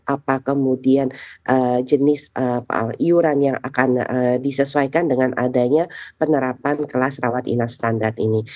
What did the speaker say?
apa kemudian jenis iuran yang akan disesuaikan dengan adanya penerapan kelas rawat inap standar ini